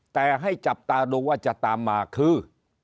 แต่ให้จับตาดูว่าจะตามมาคือ